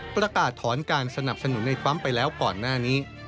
ประกาศถอนการสนับสนุนในปั๊มไปแล้วก่อนหน้านี้